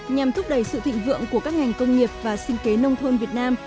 nhằm thúc đẩy sự thịnh vượng của các ngành công nghiệp và sinh kế nông thôn việt nam